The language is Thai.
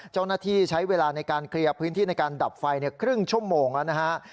เจ้าหน้าที่ใช้เวลาในการเคลียร์พื้นที่ในการดับไฟครึ่งชั่วโมงแล้วนะฮะ